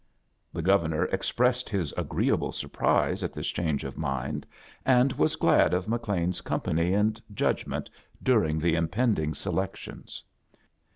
The Governor expressed his agreeable surprise at this change of mind, and was glad of McLean's company and judgment ' during the impending selecttons.